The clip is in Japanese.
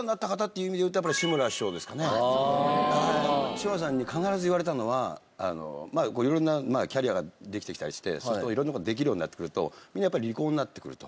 志村さんに必ず言われたのはまあ色々なキャリアができてきたりしてすると色んな事ができるようになってくるとみんなやっぱり利口になってくると。